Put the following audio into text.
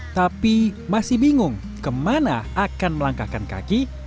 tapi masih bingung kemana akan melangkahkan kaki